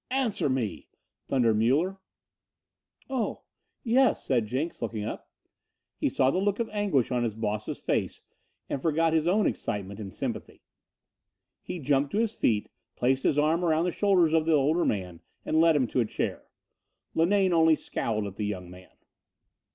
"Answer me," thundered Muller. "Oh yes," said Jenks, looking up. He saw the look of anguish on his boss's face and forgot his own excitement in sympathy. He jumped to his feet, placed his arm about the shoulders of the older man and led him to a chair. Linane only scowled at the young man.